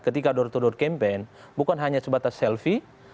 ketika door to door campaign bukan hanya sebatas selfie